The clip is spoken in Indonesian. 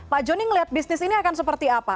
pak joni melihat bisnis ini akan seperti apa